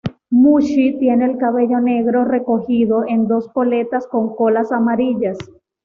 Mushi tiene el cabello negro recogido en dos coletas con colas amarillas.